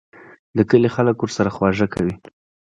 د کلي خلک ورسره خواږه کوي.